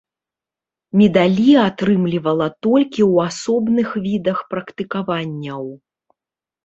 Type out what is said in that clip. Медалі атрымлівала толькі ў асобных відах практыкаванняў.